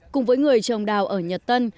cùng với người trồng đào ở nhật tân